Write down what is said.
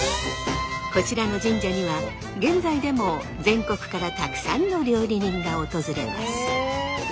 こちらの神社には現在でも全国からたくさんの料理人が訪れます。